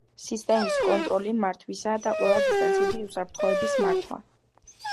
სისტემის კონტროლი, მართვისა და ყველა დისტანციური უსაფრთხოების მართვა.